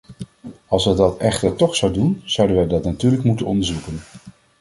Als het dat echter toch zou doen, zouden wij dat natuurlijk moeten onderzoeken.